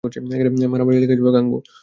মারামারি লেগে যাবে, গাঙু।